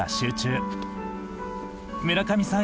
村上さん